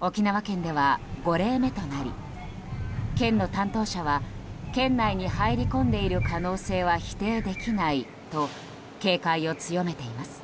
沖縄県では５例目となり県の担当者は県内に入り込んでいる可能性は否定できないと警戒を強めています。